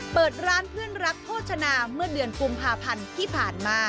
เปิดร้านเพื่อนรักโภชนาเมื่อเดือนกุมภาพันธ์ที่ผ่านมา